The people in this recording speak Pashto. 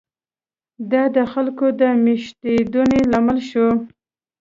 دا د خلکو د مېشتېدنې لامل شو.